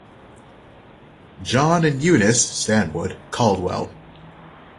John and Eunice (Stanwood) Caldwell.